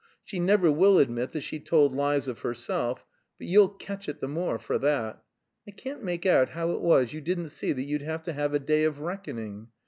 She never will admit that she told lies of herself, but you'll catch it the more for that. I can't make out how it was you didn't see that you'd have to have a day of reckoning.